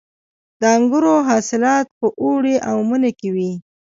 د انګورو حاصلات په اوړي او مني کې وي.